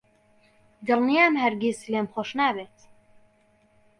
دڵنیام هەرگیز لێم خۆش نابێت.